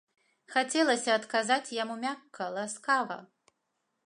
Хацелася адказаць яму мякка, ласкава.